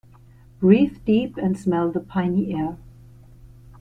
Breathe deep and smell the piny air.